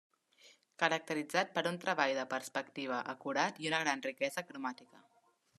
Caracteritzat per un treball de perspectiva acurat i una gran riquesa cromàtica.